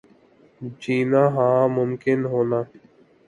جینا ہاں ممکن ہونا